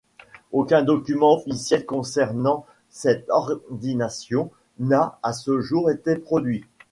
Aucun document officiel concernant cette ordination n’a, à ce jour, été produit.